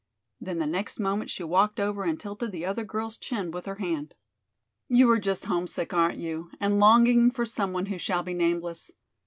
Then the next moment she walked over and tilted the other girl's chin with her hand. "You are just homesick, aren't you, and longing for some one who shall be nameless?